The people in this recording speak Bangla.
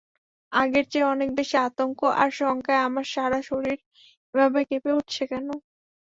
আগের চেয়ে অনেক বেশি আতঙ্ক আর শঙ্কায় আমার সারাশরীর এভাবে কেঁপে উঠছে কেন?